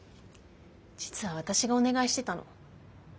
実は私がお願いしてたの。